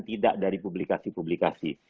tidak dari publikasi publikasi